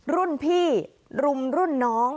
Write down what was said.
รุ่นพี่รุมรุ่นน้อง